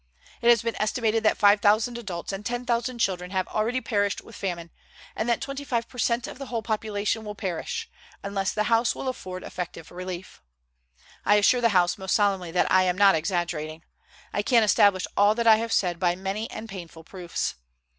It has been estimated that five thousand adults and ten thousand children have already perished with famine, and that twenty five per cent of the whole population will perish, unless the House will afford effective relief. I assure the House most solemnly that I am not exaggerating; I can establish all that I have said by many and painful proofs.